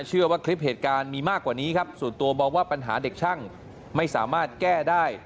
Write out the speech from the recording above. เชื่อว่าคลิปเหตุการณ์มีมากกว่านี้ครับส่วนตัวมองว่าปัญหาเด็กช่างไม่สามารถแก้ได้